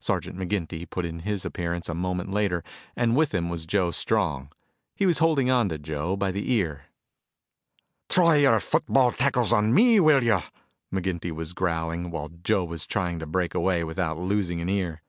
Sergeant McGinty put in his appearance a moment later and with him was Joe Strong. He was holding onto Joe by the ear. "Try your football tackles on me, will you!" McGinty was growling, while Joe was trying to break away without losing an ear.